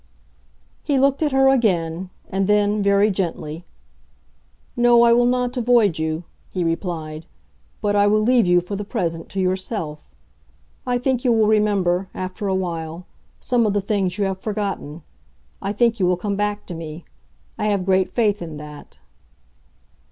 He looked at her again; and then, very gently, "No I will not avoid you," he replied; "but I will leave you, for the present, to yourself. I think you will remember—after a while—some of the things you have forgotten. I think you will come back to me; I have great faith in that."